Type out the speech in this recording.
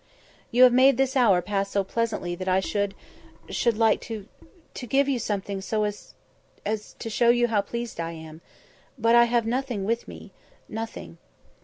"You have made this hour pass so pleasantly that I should should like to to give you something so as as to show you how pleased I am. But I have nothing with me, nothing."